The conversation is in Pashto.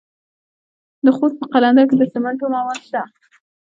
د خوست په قلندر کې د سمنټو مواد شته.